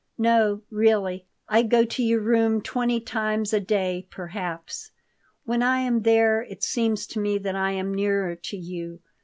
"No, really, I go to your room twenty times a day, perhaps. When I am there it seems to me that I am nearer to you.